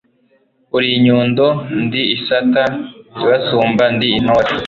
uri inyundo ndi isata ibasumba ndi intore